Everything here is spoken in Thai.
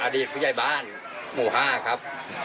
อดีตผู้ใหญ่บ้านหมู่๕ครับ